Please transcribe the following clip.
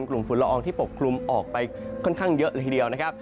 ฝุ่นละอองที่ปกคลุมออกไปค่อนข้างเยอะเลยทีเดียวนะครับ